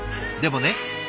でもね